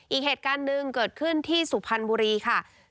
อีกเหตุการณ์หนึ่งเกิดขึ้นที่สุพรรณบุรีค่ะ